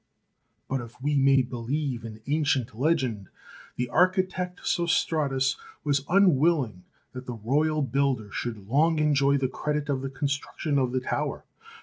But if we may believe an ancient legend, the architect Sostratus was unwilling that the royal builder should long enjoy the credit of the con struction of the tower.